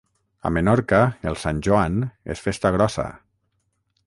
A Menorca el Sant Joan és festa grossa.